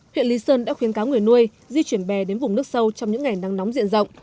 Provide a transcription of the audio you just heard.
huyện lý sơn đã khuyến cáo người nuôi di chuyển bè đến vùng nước sâu trong những ngày nắng nóng diện rộng